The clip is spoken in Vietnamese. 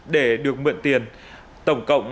để được mượn tiền tổng cộng